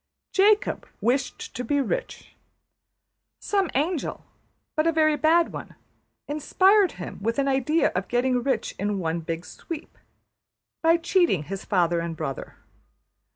Jacob wished to be rich. Some angel, but a very bad one, inspired him with an idea of getting rich in one big sweep, by cheating his father and brother.